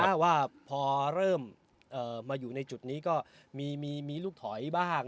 เพราะว่าพอเริ่มเอ่อมาอยู่ในจุดนี้ก็มีมีมีลูกถอยบ้าง